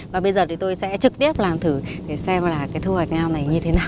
và bây giờ thì tôi sẽ trực tiếp làm thử để xem là cái thu hoạch ngao này như thế nào